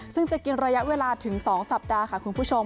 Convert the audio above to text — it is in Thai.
ซึ่งจะกินระยะเวลาถึง๒สัปดาห์ค่ะคุณผู้ชม